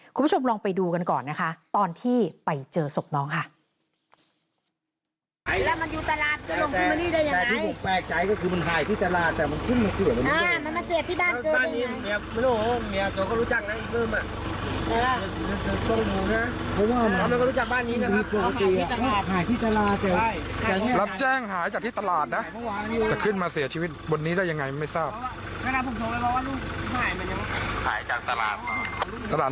คุณผู้ชมลองไปดูกันก่อนนะคะตอนที่ไปเจอศพน้องค่ะ